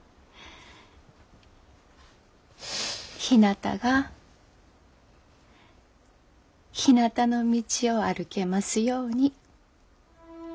ひなたが「ひなたの道」を歩けますように。